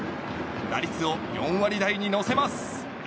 打率を４割台に乗せます。